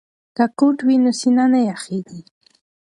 که کوټ وي نو سینه نه یخیږي.